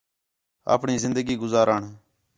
اپݨی زندگی گُزارݨ